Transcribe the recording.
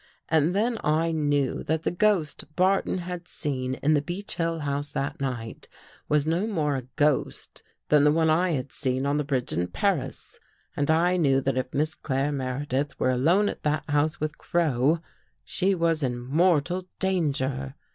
And then I knew that the ghost Bar ton had seen in the Beech Hill House that night was no more a ghost than the one I had seen on the bridge in Paris. And I knew that if Miss Claire Meredith were alone at that house with Crow, she was in mortal danger.